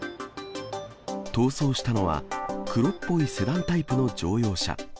逃走したのは、黒っぽいセダンタイプの乗用車。